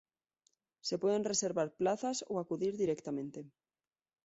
Se pueden reservar plazas, o acudir directamente.